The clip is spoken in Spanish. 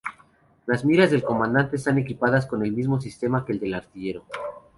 Las miras del comandante están equipadas con el mismo sistema que el del artillero.